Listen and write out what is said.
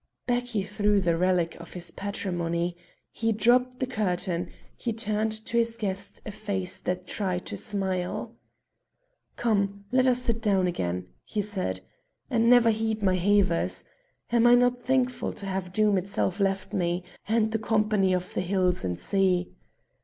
Back he threw the relic of his patrimony; he dropped the curtain; he turned on his guest a face that tried to smile. "Come, let us sit down again," he said, "and never heed my havers. Am I not thankful to have Doom itself left me, and the company of the hills and sea?